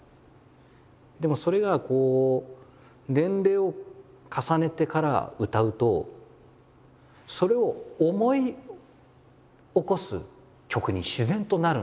でもそれがこう年齢を重ねてから歌うとそれを思い起こす曲に自然となるんですよ。